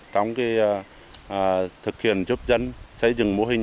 trong thực hiện giúp dân xây dựng mô hình